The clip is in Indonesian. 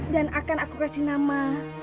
dan akan aku kasih nama